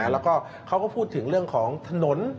แล้วก็เขาก็พูดถึงเรื่องของถนน